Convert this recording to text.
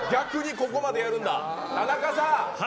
田中さん。